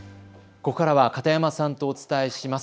ここからは片山さんとお伝えします。